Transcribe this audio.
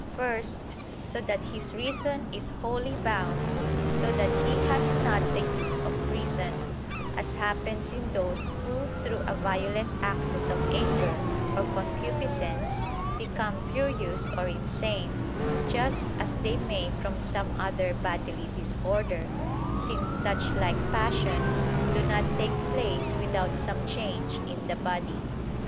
First, so that his reason is wholly bound, so that he has not the use of reason: as happens in those who through a violent access of anger or concupiscence become furious or insane, just as they may from some other bodily disorder; since such like passions do not take place without some change in the body.